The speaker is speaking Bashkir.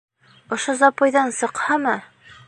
Ошо запойҙан сыҡһамы?!